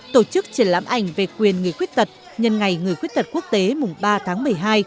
tổ chức triển lãm ảnh về quyền người khuyết tật nhân ngày người khuyết tật quốc tế mùng ba tháng một mươi hai